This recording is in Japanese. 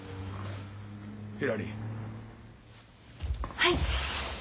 はい。